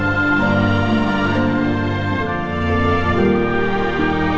baru tadi lori lori n reformat dari neuroklinik luar biasa